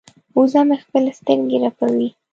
وزه مې خپلې سترګې رپوي.